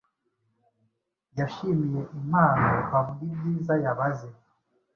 Yashimiye impano avuga ibyiza yabaze